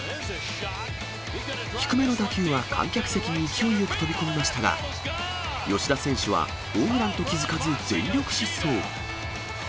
低めの打球は観客席に勢いよく飛び込みましたが、吉田選手はホームランと気付かず、全力疾走。